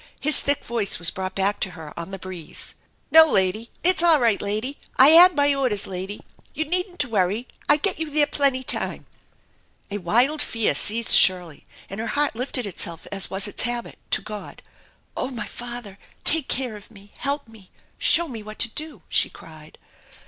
His thick voice was brought back to her on the breeze: "No, lady, it's all right, lady! I hal my orders, lady! You needn't to worry. I get you there plenty time." A wild fear seized Shirley, and her heart lifted itself as was its habit, to God. " Oh, my Father ! Take care of me I Help me ! Show me what to do !" she cried.